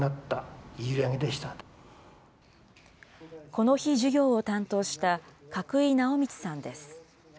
この日、授業を担当した格井直光さんです。